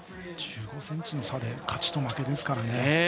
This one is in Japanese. １５ｃｍの差で勝ちと負けですからね。